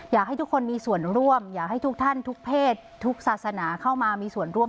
อยากให้ทุกคนมีส่วนร่วมอยากให้ทุกท่านทุกเพศทุกศาสนาเข้ามามีส่วนร่วม